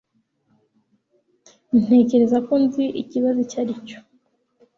Ntekereza ko nzi ikibazo icyo ari cyo.